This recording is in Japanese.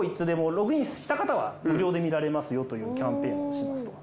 ログインした方は無料で見られますよというキャンペーンをしますとか。